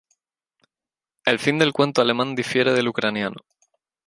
El fin del cuento alemán difiere del ucraniano.